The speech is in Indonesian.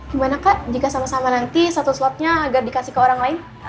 gimana kak jika sama sama nanti satu swabnya agar dikasih ke orang lain